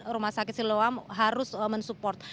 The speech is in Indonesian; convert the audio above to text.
rumah sakit siloam harus mensupport